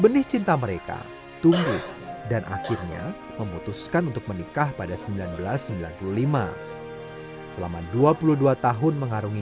benih cinta mereka tumbuh dan akhirnya memutuskan untuk menikah pada seribu sembilan ratus sembilan puluh lima selama dua puluh dua tahun mengarungi